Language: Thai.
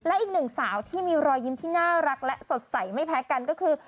และอีกหนึ่งสาวที่มีรอยยิ้มที่น่ารักและสดใสไม่แพ้กันก็คือ